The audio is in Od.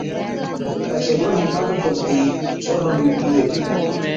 پڇي ڏونهِين پگ ٽُڪتِي ڇوهران نُون ڏِلَي،